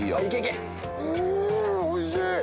うんおいしい！